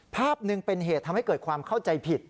ภาพหนึ่งเป็นเหตุทำให้เกิดความเข้าใจผิด